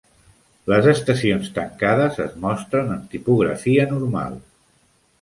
Les estacions tancades es mostren en tipografia normal.